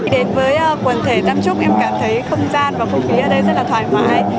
đến với quần thể tam trúc em cảm thấy không gian và không khí ở đây rất là thoải mái